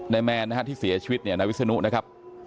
ในแม้ที่เสียชีวิตนาวิสานุนะครับ